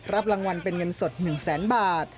รับรางวัลเป็นเงินสด๑แสนบาท